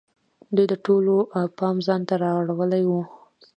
دوی د ټولو پام ځان ته اړولی وو.